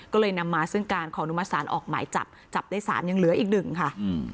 ก็เลยนำมาซึ่งการขออนุมสารออกหมายจับจับได้๓ยังเหลืออีก๑ค่ะ